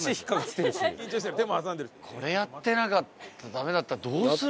これやってなかったらダメだったらどうするの？